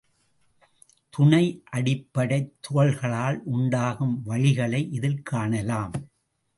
துணை அடிப்படைத் துகள்களால் உண்டாகும் வழிகளை இதில் காணலாம்.